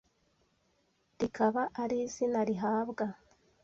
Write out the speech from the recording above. rikaba ari izina rihabwa